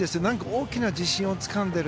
大きな自信をつかんでいる。